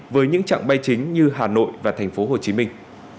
với những trạng bay chính như hà nội và thành phố hồ chí minh